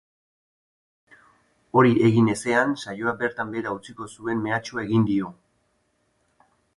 Hori egin ezean saioa bertan behera utziko zuen mehatxua egin dio.